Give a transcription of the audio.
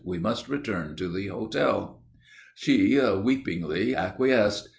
We must return to the hotel." She weepingly acquiesced.